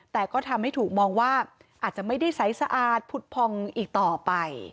แต่ก็ทำให้ถูกมองว่าอาจจะไม่ได้ใสสะอาดผุดพองอีกต่อไป